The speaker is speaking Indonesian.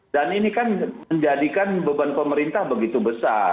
dan ini kan menjadikan beban pemerintah begitu besar